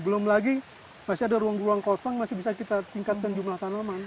belum lagi masih ada ruang ruang kosong masih bisa kita tingkatkan jumlah tanaman